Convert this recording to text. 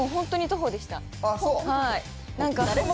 はい。